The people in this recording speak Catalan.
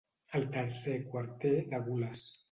Al tercer quarter, de gules.